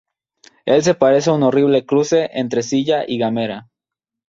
Él se parece a un horrible cruce entre Zilla y Gamera.